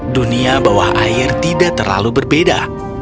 dunia bawah air tidak terlalu berbeda